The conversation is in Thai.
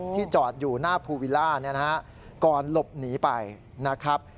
จอดอยู่หน้าภูวิลล่าก่อนหลบหนีไปนะครับ